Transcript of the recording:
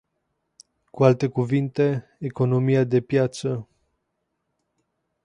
Cu alte cuvinte, economia de piață.